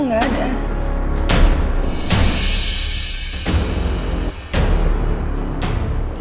nggak ada hubungannya sama itu